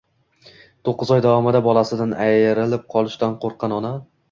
To‘qqiz oy davomida bolasidan ayrilib qolishdan qo‘rqqan ona